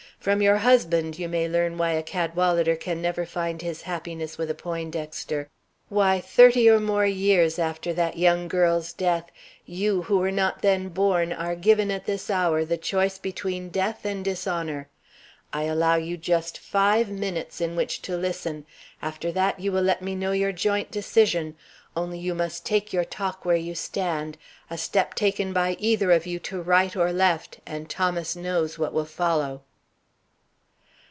From your husband you may learn why a Cadwalader can never find his happiness with a Poindexter. Why thirty or more years after that young girl's death, you who were not then born are given at this hour the choice between death and dishonor. I allow you just five minutes in which to listen. After that you will let me know your joint decision. Only you must make your talk where you stand. A step taken by either of you to right or left, and Thomas knows what will follow."